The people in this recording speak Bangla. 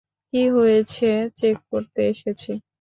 কী হয়েছে চেক করতে এসেছি।